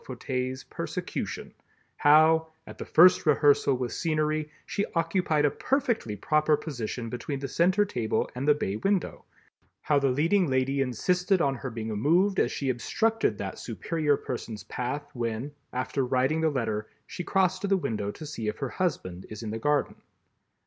Fauteuil's persecution—how, at the first rehearsal with scenery, she occupied a perfectly proper position between the center table and the bay window, how the Leading Lady insisted on her being moved as she obstructed that superior person's path when, after writing the letter, she crosses to the window to see if her Husband is in the garden.